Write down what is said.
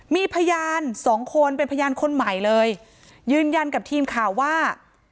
มีพยานสองคนเป็นพยานคนใหม่เลยยืนยันกับทีมข่าวว่า